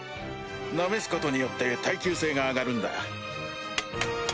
なめすことによって耐久性が上がるんだ。